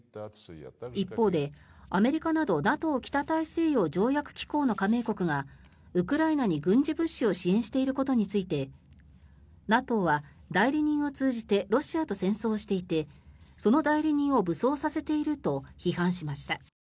一方で、アメリカなどＮＡＴＯ・北大西洋条約機構の加盟国がウクライナに軍事物資を支援していることについてＮＡＴＯは代理人を通じてロシアと戦争していてその代理人を武装させていると批判しました。